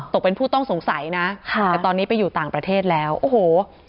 ตกเป็นผู้ต้องสงสัยนะค่ะแต่ตอนนี้ไปอยู่ต่างประเทศแล้วโอ้โห